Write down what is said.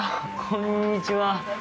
こんにちは。